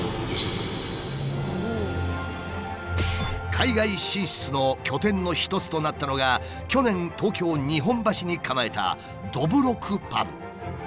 海外進出の拠点の一つとなったのが去年東京日本橋に構えたどぶろくパブ。